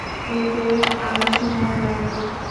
এতে আরও সময় লাগবে।